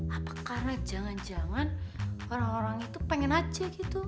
apa karena jangan jangan orang orang itu pengen aja gitu